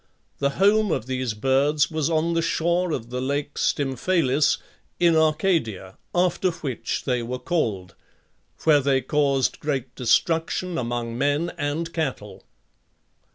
The home of these birds was on the shore of the lake Stymphalis, in Arcadia (after which they were called), where they caused great destruction among men and cattle.